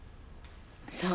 そう。